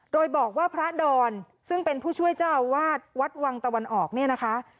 โดยบอกว่าพระดอนซึ่งเป็นผู้ช่วยเจ้าอาวาสวัดวังตะวันออกเนี่ยนะคะ